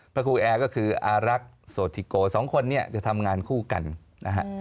พระครูแอร์ก็คืออารักษ์โสธิโกสองคนเนี่ยจะทำงานคู่กันนะฮะ